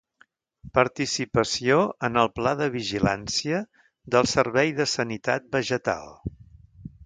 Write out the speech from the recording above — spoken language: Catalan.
Participació en el Pla de vigilància del Servei de Sanitat Vegetal.